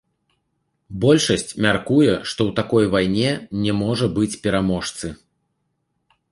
Большасць мяркуе, што ў такой вайне не можа быць пераможцы.